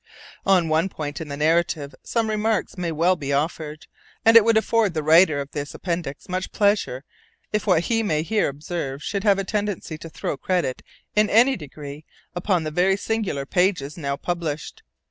On one point in the narrative some remarks may well be offered; and it would afford the writer of this appendix much pleasure if what he may here observe should have a tendency to throw credit, in any degree, upon the very singular pages now published.